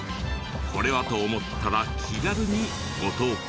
これはと思ったら気軽にご投稿